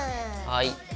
はい。